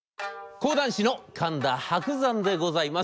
講談師の神田伯山でございます。